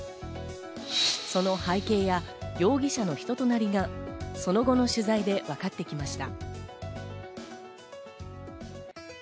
その背景や容疑者の人となりがその後の取材で分かってきました。